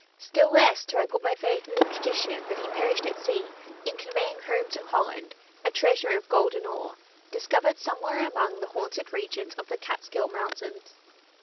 Still less do I put my faith in the tradition that he perished at sea in conveying home to Holland a treasure of golden ore, discovered somewhere among the haunted regions of the Catskill Mountains.